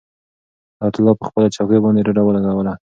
حیات الله په خپله چوکۍ باندې ډډه ولګوله.